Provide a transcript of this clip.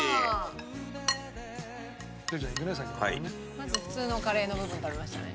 まず普通のカレーの部分食べましたね。